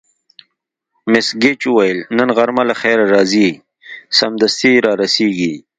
مس ګېج وویل: نن غرمه له خیره راځي، سمدستي را رسېږي.